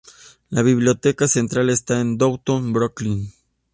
La biblioteca central está en Downtown Brooklyn.